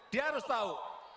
dia harus tahu